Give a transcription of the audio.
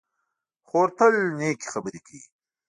خور تل نېکې خبرې کوي.